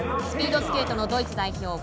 スピードスケートのドイツ代表